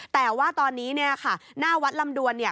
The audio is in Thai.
แต่ว่าตอนนี้เนี่ยค่ะหน้าวัดลำดวนเนี่ย